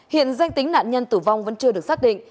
hiện danh tính nạn nhân tử vong vẫn chưa được xác định